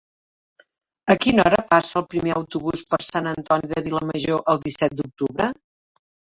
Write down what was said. A quina hora passa el primer autobús per Sant Antoni de Vilamajor el disset d'octubre?